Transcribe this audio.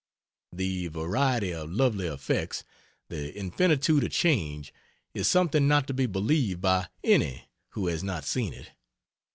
The variety of lovely effects, the infinitude of change, is something not to be believed by any who has not seen it.